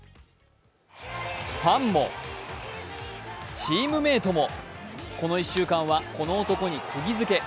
ファンも、チームメートも、この１週間はこの男にくぎ付け。